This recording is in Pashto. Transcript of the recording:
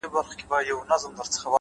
له تېرو زده کړه راتلونکی روښانوي’